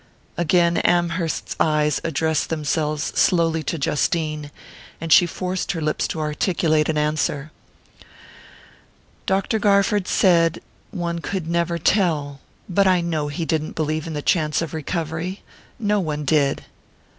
Again Amherst's eyes addressed themselves slowly to Justine; and she forced her lips to articulate an answer. "Dr. Garford said...one could never tell...but I know he didn't believe in the chance of recovery...no one did."